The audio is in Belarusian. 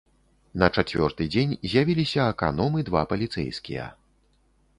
На чацвёрты дзень з'явіліся аканом і два паліцэйскія.